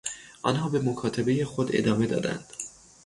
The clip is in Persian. آنها به مکاتبهی خود ادامه دادند.